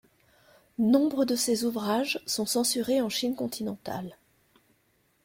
Nombre de ses ouvrages sont censurés en Chine continentale.